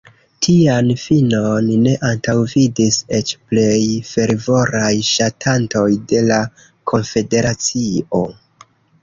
Tian finon ne antaŭvidis eĉ plej fervoraj ŝatantoj de la konfederacio.